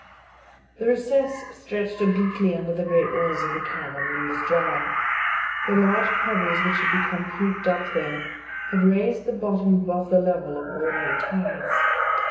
This recess stretched obliquely under the great walls of the cavern, and was dry. The large pebbles which had become heaped up there had raised the bottom above the level of ordinary tides.